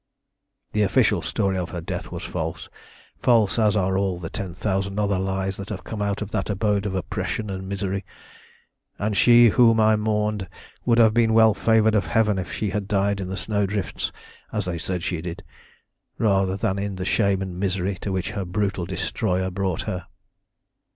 "The official story of her death was false false as are all the ten thousand other lies that have come out of that abode of oppression and misery, and she whom I mourned would have been well favoured of heaven if she had died in the snowdrifts, as they said she did, rather than in the shame and misery to which her brutal destroyer brought her.